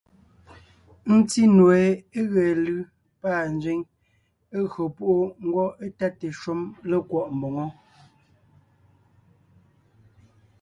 Ńtí nue é ge lʉ́ pâ nzẅíŋ, é gÿo púʼu, ngwɔ́ étáte shúm lékwɔ́ʼ mboŋó.